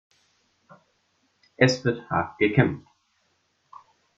Es wird hart gekämpft.